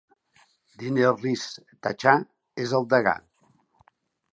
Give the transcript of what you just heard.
Deanell Reece Tacha és el degà.